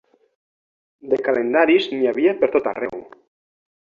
De calendaris n'hi havia per tot arreu